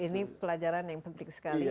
ini pelajaran yang penting sekali ya